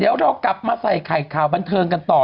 เดี๋ยวเรากลับมาใส่ไข่ข่าวบันเทิงกันต่อ